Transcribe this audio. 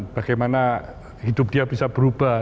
bagaimana hidup dia bisa berubah